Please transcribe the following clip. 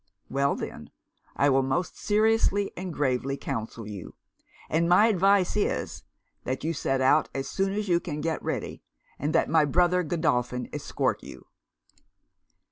'Well then, I will most seriously and gravely counsel you: and my advice is, that you set out as soon as you can get ready, and that my brother Godolphin escort you.'